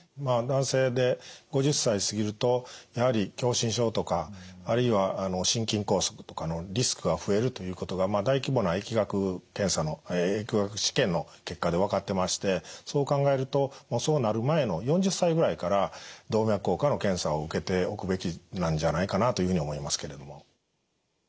男性で５０歳過ぎるとやはり狭心症とかあるいは心筋梗塞とかのリスクが増えるということが大規模な疫学検査の結果で分かってましてそう考えるとそうなる前の４０歳ぐらいから動脈硬化の検査を受けておくべきなんじゃないかなというふうに思いますけれども。